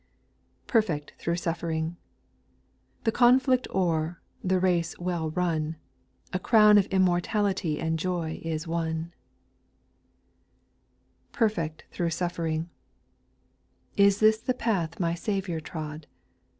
J 7. Perfect through suffering I The conflict o'er, The race well run, A crown of immortality And joy is won. ) SPIRITUAL SONGS. 401 8. .' Perfect through suffering ! Is this the path My Saviour trod